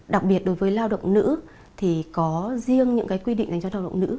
đặc biệt đối với lao động nữ thì có riêng những cái quy định dành cho lao động nữ